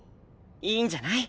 いいんじゃない？